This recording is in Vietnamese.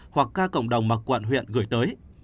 hoặc ca cộng đồng mặc quận huyện gửi tới